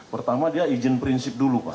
pertama dia izin prinsip dulu pak